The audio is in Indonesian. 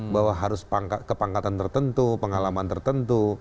bahwa harus kepangkatan tertentu pengalaman tertentu